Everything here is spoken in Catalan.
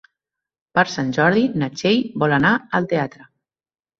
Per Sant Jordi na Txell vol anar al teatre.